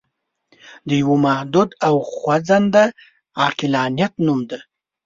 د یوه محدود او خوځنده عقلانیت نوم دی.